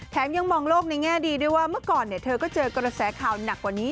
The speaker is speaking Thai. ยังมองโลกในแง่ดีด้วยว่าเมื่อก่อนเธอก็เจอกระแสข่าวหนักกว่านี้